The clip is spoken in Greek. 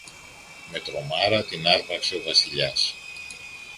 Με τρομάρα την άρπαξε ο Βασιλιάς.